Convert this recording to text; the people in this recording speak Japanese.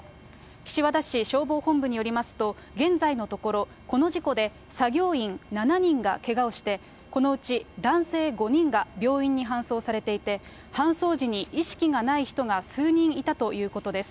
岸和田市消防本部によりますと、現在のところ、この事故で作業員７人がけがをして、このうち男性５人が病院に搬送されていて、搬送時に意識がない人が数人いたということです。